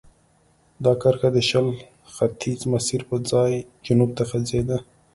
دا کرښه د شل ختیځ مسیر پر ځای جنوب ته غځېده.